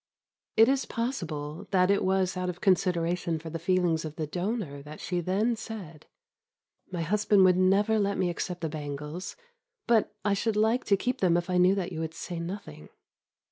It is possible that it was out of consideration for the feelings of the donor that she then said "My husband would never let me accept the bangles, but I should like to keep them if I knew that you would say nothing."